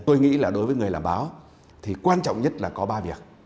tôi nghĩ là đối với người làm báo thì quan trọng nhất là có ba việc